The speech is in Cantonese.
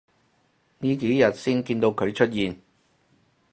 呢幾日先見到佢出現